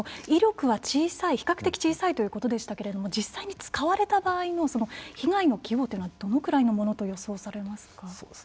威力は比較的小さいということでしたが実際に使われた場合の被害の規模というのはどのくらいのものと予想されますか。